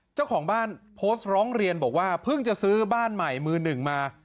เจ้าของบ้านโพสต์ร้องเรียนบอกว่าเพิ่งจะซื้อบ้านใหม่มือหนึ่งมา